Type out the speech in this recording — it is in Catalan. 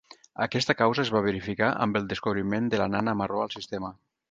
Aquesta causa es va verificar amb el descobriment de la nana marró al sistema.